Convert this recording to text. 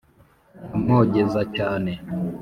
nkamwogeza cyane